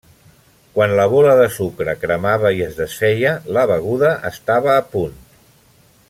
Quan la bola de sucre cremava i es desfeia la beguda estava a punt.